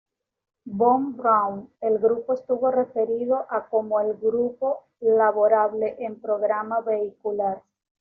Von Braun el grupo estuvo referido a como el "Grupo Laborable en Programa Vehicular.